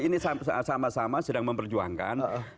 ini sama sama sedang memperjuangkan